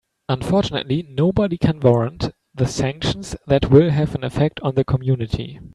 Unfortunately, nobody can warrant the sanctions that will have an effect on the community.